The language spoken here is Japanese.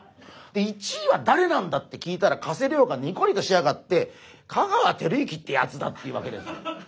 「１位はだれなんだ」って聞いたら加瀬亮がにこりとしやがって香川照之ってやつだって言うわけですよ。